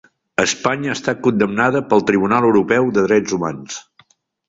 Espanya ha estat condemnada pel Tribunal Europeu de Drets Humans